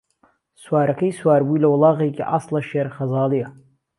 سوارهکهی سوار بووی له وڵاغێکی عەسڵه شێر خەزاڵیيه